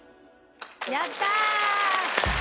やったー！